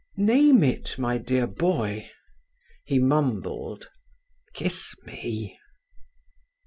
"Name it, my dear boy." He mumbled, "... kiss me."